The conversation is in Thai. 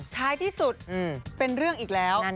ท้ายที่สุดเป็นเรื่องอีกแล้ว